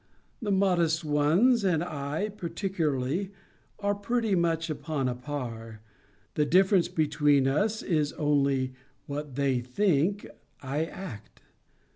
The modest ones and I, particularly, are pretty much upon a par. The difference between us is only, what they think, I act.